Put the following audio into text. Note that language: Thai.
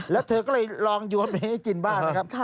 แล้วเธอก็เลยลองโยนไปให้กินบ้างนะครับ